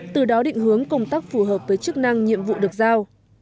từ đó định hướng công tác phù hợp với chức năng nhiệm vụ được giao